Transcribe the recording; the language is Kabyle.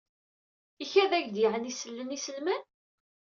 Ikad-ak-d yeɛni sellen iselman?